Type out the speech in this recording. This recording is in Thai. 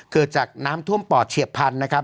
เกิดจากน้ำท่วมปอดเฉียบพันธุ์นะครับ